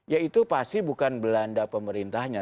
ya itu pasti bukan belanda pemerintahnya